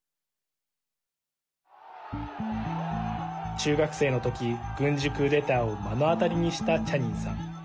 中学生の時、軍事クーデターを目の当たりにしたチャニンさん。